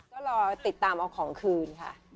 ก็รอติดตามเอาของคืนค่ะ